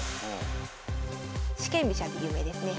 四間飛車で有名ですね。